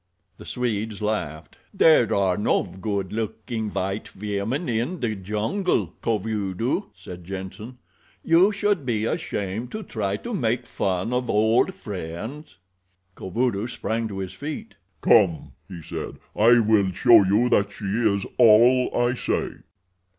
The Swedes laughed. "There are no good looking white women in the jungle, Kovudoo," said Jenssen. "You should be ashamed to try to make fun of old friends." Kovudoo sprang to his feet. "Come," he said, "I will show you that she is all I say."